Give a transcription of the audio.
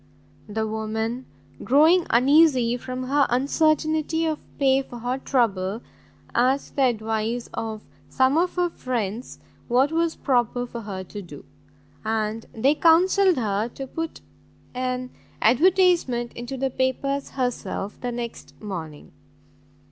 The woman, growing uneasy from her uncertainty of pay for her trouble, asked the advice of some of her friends what was proper for her to do; and they counselled her to put an advertisement into the papers herself the next morning.